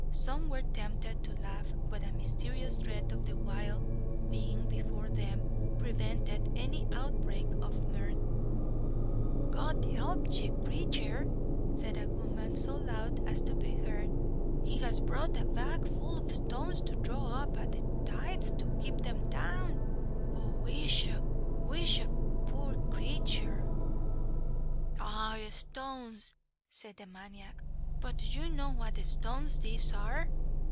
Some were tempted to laugh, but a mysterious dread of the wild being before them, prevented any outbreak of mirth. "God help the craythur!" said a woman, so loud as to be heard. "He has brought a bag full o' stones to throw a top o' the tithes to keep them down O wisha! wisha! poor craythur!" "Aye stones!" said the maniac; "but do you know; what stones these are?